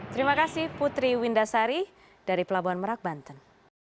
terima kasih putri windasari dari pelabuhan merak banten